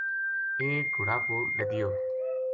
ایک گھوڑا پو لَدیو